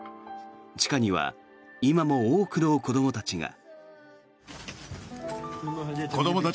地下には今も多くの子どもたちが。